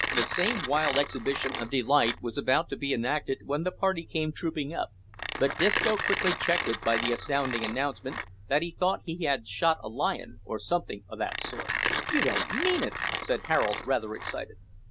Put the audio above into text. The same wild exhibition of delight was about to be enacted when the party came trooping up, but Disco quickly checked it by the astounding announcement that he thought he had shot a lion, or somethin' o' that sort! "You don't mean it!" said Harold, rather excited.